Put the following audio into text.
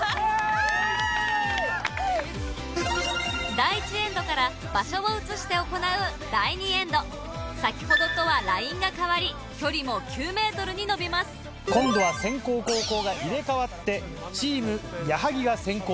第１エンドから場所を移して行う先ほどとはラインが変わり距離も９ｍに延びます今度は先攻後攻が入れ替わってチーム矢作が先攻。